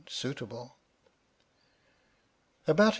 suitable. About a.